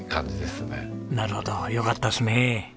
なるほどよかったですねえ。